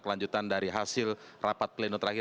kelanjutan dari hasil rapat pleno terakhir